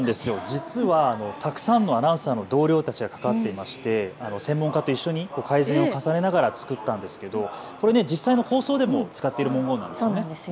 実はたくさんのアナウンサーの同僚たちが関わっていまして専門家と一緒に改善を重ねながら作ったんですけれど実際の放送でも使っている文言なんですよね。